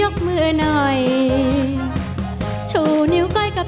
ทั้งในเรื่องของการทำงานเคยทำนานแล้วเกิดปัญหาน้อย